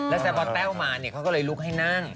แล้วแต่พอแต้วมาเขาก็เลยลุกให้นั่ง